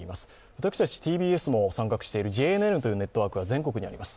私たちＴＢＳも参画しているＪＮＮというネットワークが全国にあります。